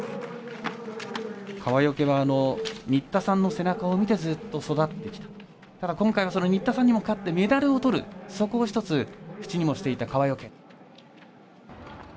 川除は新田さんの背中を見てずっと育ってきてただ今回その新田さんにも勝ってメダルをとるそこを１つ、口にもしていた川除。